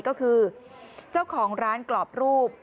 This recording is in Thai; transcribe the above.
ก็คือเจ้าของร้านกรอบรูป